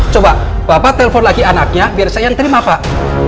coba bapak telpon lagi anaknya biar saya yang terima pak